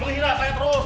menghina saya terus